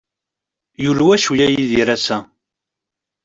Yulwa cwiya Yidir ass-a.